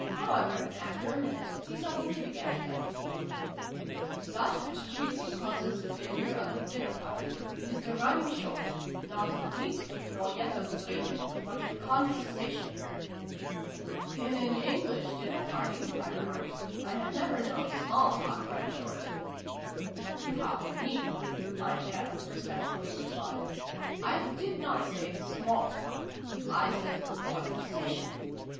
However, after a minute, he suddenly began again. " That which chiefly causes the failure of a dinner party, is the running short not of meat, nor yet of drink, but of conversation''' " In an English dinner party," I remarked, '' I have never known small talk run short !" ix] THE FAREWELL PARTY. 143 " Pardon me," Mein Herr respectfully replied, " I did not say 'small talk.' I said 'conversa tion.'